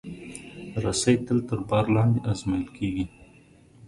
رسۍ تل تر بار لاندې ازمېیل کېږي.